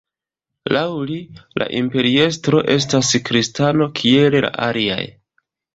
Laŭ li, la imperiestro estas kristano kiel la aliaj.